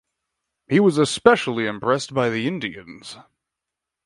He was especially impressed by the Indians.